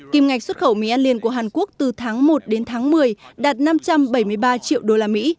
kim ngạch xuất khẩu mì ăn liền của hàn quốc từ tháng một đến tháng một mươi đạt năm trăm bảy mươi ba triệu đô la mỹ